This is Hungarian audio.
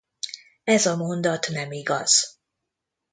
Ez a mondat nem igaz.